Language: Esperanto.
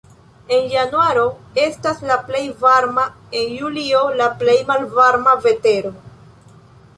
En januaro estas la plej varma, en julio la plej malvarma vetero.